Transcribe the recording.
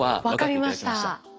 分かりました。